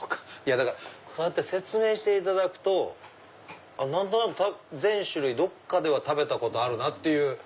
こうやって説明していただくと何となく全種類どっかでは食べたことあるなっていう。